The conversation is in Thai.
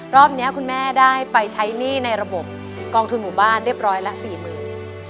รอบนี้คุณแม่ได้ไปใช้หนี้ในระบบกองทุนหมู่บ้านเรียบร้อยละสี่หมื่น